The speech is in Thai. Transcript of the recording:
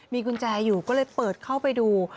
มีกุญแจอยู่ก็เลยเปิดเข้าไปดู